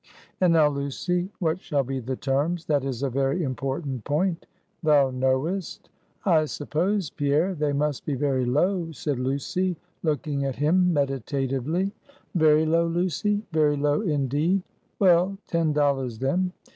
"And now, Lucy, what shall be the terms? That is a very important point, thou knowest." "I suppose, Pierre, they must be very low," said Lucy, looking at him meditatively. "Very low, Lucy; very low, indeed." "Well, ten dollars, then."